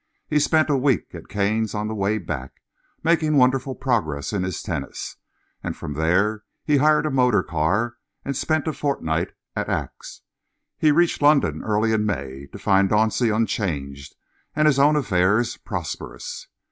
He spent a week at Cannes on the way back, making wonderful progress in his tennis, and from there he hired a motor car and spent a fortnight at Aix. He reached London early in May, to find Dauncey unchanged and his own affairs prosperous.